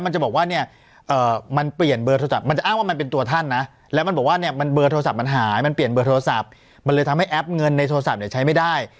ทำให้แอปเงินในโทรศัพท์เนี่ยใช้ไม่ได้